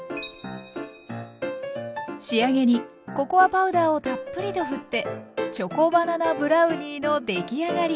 仕上げにココアパウダーをたっぷりと振ってチョコバナナブラウニーのできあがり！